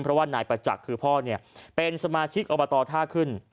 เพราะว่านายประจักษ์คือพ่อเป็นสมาชิกอบตท่าขึ้น